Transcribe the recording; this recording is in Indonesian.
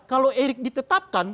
kalau erick ditetapkan